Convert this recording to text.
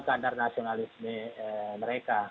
keandar nasionalisme mereka